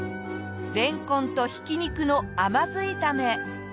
れんこんとひき肉の甘酢炒め。